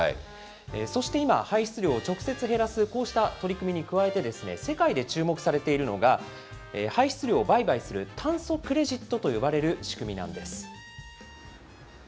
そして今、排出量を直接減らすこうした取り組みに加えて、世界で注目されているのが、排出量を売買する炭素クレジットと呼ばれる仕組みなんです。